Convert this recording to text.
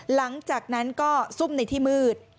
หลังจากนั้นก็ซุ่มในที่มืด